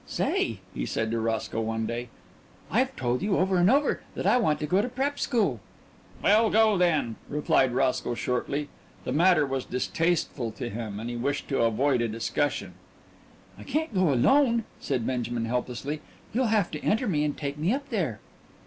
"Say," he said to Roscoe one day, "I've told you over and over that I want to go to prep school." "Well, go, then," replied Roscoe shortly. The matter was distasteful to him, and he wished to avoid a discussion. "I can't go alone," said Benjamin helplessly. "You'll have to enter me and take me up there."